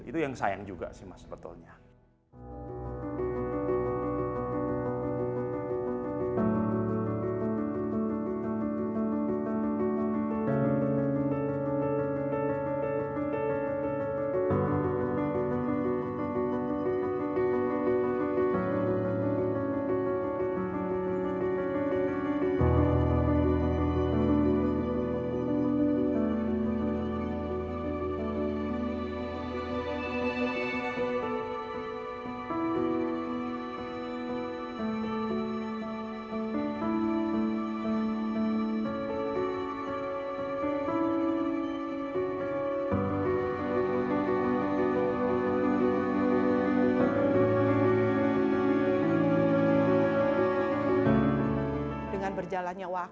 itu yang sayang juga sih mas sebetulnya